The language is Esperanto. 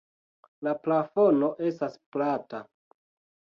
La plafono estas plata.